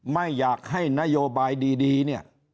ไม่อยากให้นโยบายดีเนี่ย